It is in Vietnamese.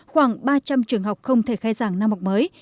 khoảng ba trăm linh trường học không thể khai giảng năm học mới